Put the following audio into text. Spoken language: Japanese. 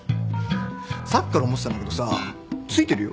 さっきから思ってたんだけどさついてるよ。